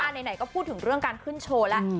ไหนก็พูดถึงเรื่องการขึ้นโชว์แล้ว